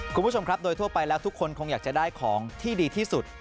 คุณผู้ชมครับโดยทั่วไปแล้วทุกคนคงอยากจะได้ของที่ดีที่สุด